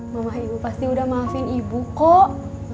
mama ibu pasti udah maafin ibu kok